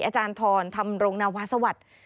อาจารย์ทรธรรมรงนาวาสวัสดิ์